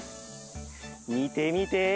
みてみて！